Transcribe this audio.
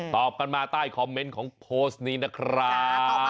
ตอบกันมาใต้คอมเมนต์ของโพสต์นี้นะครับ